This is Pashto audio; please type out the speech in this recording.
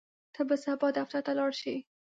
ته به سبا دفتر ته لاړ شې؟